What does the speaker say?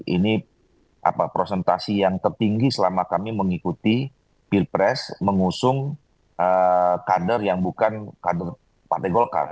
ini prosentasi yang tertinggi selama kami mengikuti pilpres mengusung kader yang bukan kader partai golkar